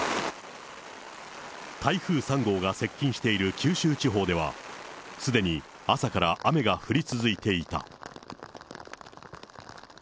台風３号が接近している九州地方では、すでに朝から雨が降り続いていた。